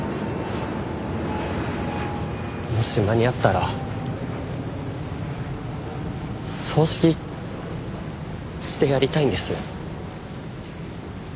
もし間に合ったら葬式してやりたいんです。